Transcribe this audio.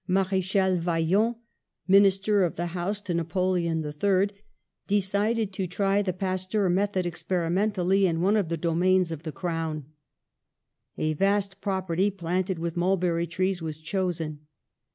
Marechal Vaillant, Minister of the House to Napoleon III, decided to try the Pasteur method experimentally in one of the domains of the Crown. A vast property, planted with mulberry trees, was chosen.